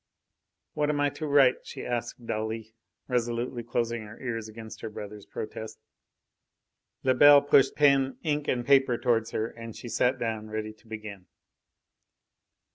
"What am I to write?" she asked dully, resolutely closing her ears against her brother's protest. Lebel pushed pen, ink and paper towards her and she sat down, ready to begin.